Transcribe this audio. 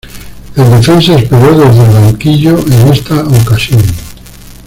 El defensa esperó desde el banquillo en esta ocasión.